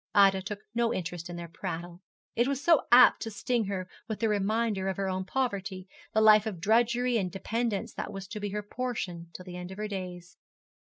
Ida took no interest in their prattle. It was so apt to sting her with the reminder of her own poverty, the life of drudgery and dependence that was to be her portion till the end of her days.